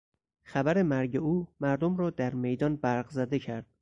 خبر مرگ او مردم را در میدان برق زده کرد.